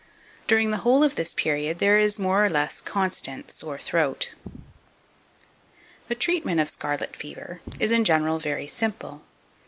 During the whole of this period, there is, more or less, constant sore throat. 2562. The Treatment of scarlet fever is, in general, very simple.